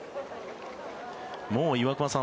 もう岩隈さん